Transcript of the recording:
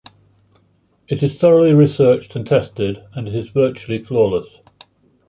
It is thoroughly researched and tested, and it is virtually flawless.